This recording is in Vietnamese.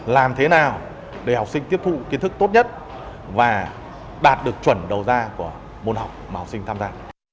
làm thế nào để học sinh tiếp thụ kiến thức tốt nhất và đạt được chuẩn đầu ra của môn học mà học sinh tham gia